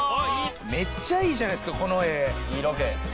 めっちゃいいじゃないですかこの画。